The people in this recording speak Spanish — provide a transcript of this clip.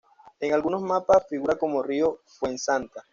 En algunos mapas figura como Río Fuensanta.